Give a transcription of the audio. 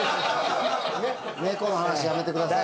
猫の話やめてください。